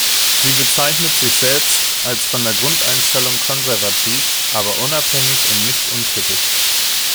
Sie bezeichnet sich selbst als von der Grundeinstellung konservativ, aber unabhängig und nicht unkritisch.